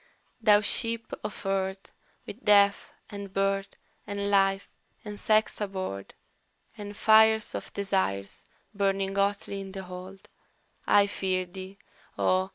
"Thou Ship of Earth, with Death, and Birth, and Life, and Sex aboard, And fires of Desires burning hotly in the hold, I fear thee, O!